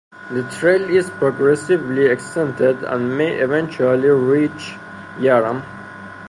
The trail is being progressively extended, and may eventually reach Yarram.